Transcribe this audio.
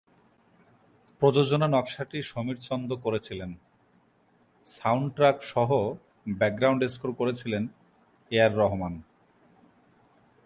প্রযোজনা নকশাটি সমীর চন্দ করেছিলেন, সাউন্ডট্র্যাক সহ ব্যাকগ্রাউন্ড স্কোর করেছিলেন এ আর রহমান।